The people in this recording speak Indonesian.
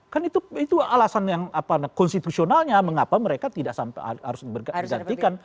kan itu alasan yang konstitusionalnya mengapa mereka tidak sampai harus bergantikan